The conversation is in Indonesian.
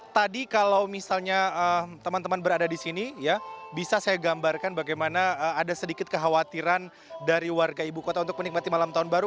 tadi kalau misalnya teman teman berada di sini ya bisa saya gambarkan bagaimana ada sedikit kekhawatiran dari warga ibu kota untuk menikmati malam tahun baru